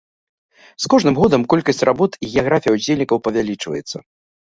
З кожным годам колькасць работ і геаграфія ўдзельнікаў павялічваецца.